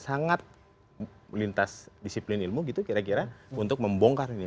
sebuah kebijakan yang sangat melintas disiplin ilmu gitu kira kira untuk membongkar ini